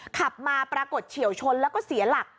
ขับมาปรากฏเฉียวชนแล้วก็เสียหลัก